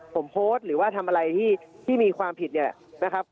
ผมโพสต์หรือว่าทำอะไรที่มีความผิดเนี่ยนะครับ